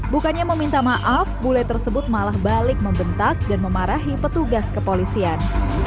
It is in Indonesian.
bukannya meminta maaf bule tersebut malah balik membentak dan memarahi petugas kepolisian